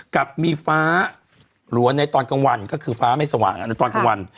กับมีฟ้าหลัวในตอนกลางวันก็คือฟ้าไม่สว่างในตอนกลางวัน